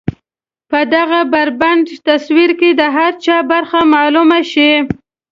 په دغه بربنډ تصوير کې د هر چا برخه معلومه شي.